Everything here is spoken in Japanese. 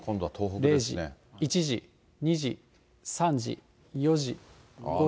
０時、１時、２時、３時、４時、５時。